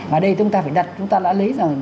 mà đây chúng ta phải đặt chúng ta đã lấy rằng